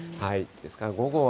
ですから午後は。